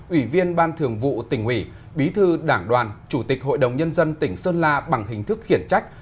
ủy viên ban thường vụ tỉnh ủy bí thư đảng đoàn chủ tịch hội đồng nhân dân tỉnh sơn la bằng hình thức khiển trách